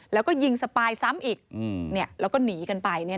แล้วก็ยิงสปายซ้ำอีกแล้วก็หนีกันไป